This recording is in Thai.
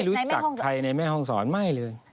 รู้จักใครในแม่ห้องศรไม่เลย